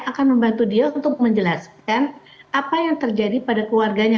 akan membantu dia untuk menjelaskan apa yang terjadi pada keluarganya